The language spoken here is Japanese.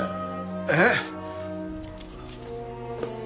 えっ！？